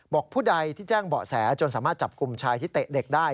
ผู้ใดที่แจ้งเบาะแสจนสามารถจับกลุ่มชายที่เตะเด็กได้